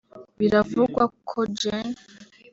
Biravugwa ko Gen